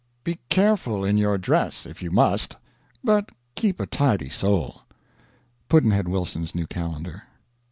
Be careless in your dress if you must, but keep a tidy soul. Pudd'nhead Wilson's New Calendar.